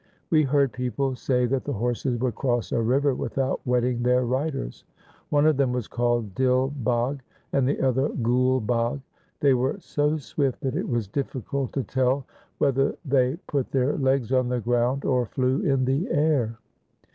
We heard people say that the horses would cross a river with out wetting their riders. One of them was called Dil Bagh and the other Gul Bagh. They were so swift that it was difficult to tell whether they put their legs on the ground or flew in the air.